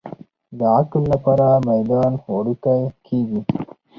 د عقل لپاره میدان وړوکی کېږي.